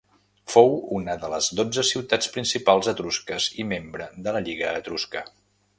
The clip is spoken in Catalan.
Fou una de les dotze ciutats principals etrusques i membre de la Lliga Etrusca.